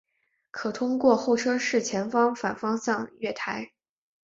可通过候车室前往反方向月台。